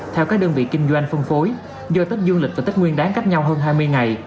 theo các đơn vị kinh doanh phân phối do tích du lịch và tết nguyên đáng cách nhau hơn hai mươi ngày